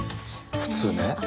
普通ね